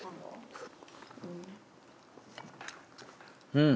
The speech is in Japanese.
うん！